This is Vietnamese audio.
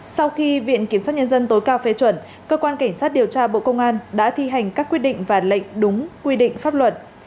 sau khi viện kiểm sát nhân dân tối cao phê chuẩn cơ quan cảnh sát điều tra bộ công an đã thi hành các quyết định và lệnh đúng quy định pháp luật